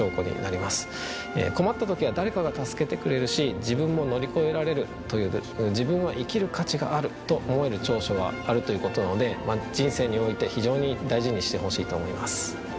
困った時は誰かが助けてくれるし自分も乗り越えられるという自分は生きる価値があると思える長所があるということなので人生において非常に大事にしてほしいと思います。